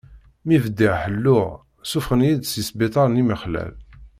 Mi bdiɣ ḥelluɣ, suffɣen-iyi-d seg sbiṭar n yimexlal.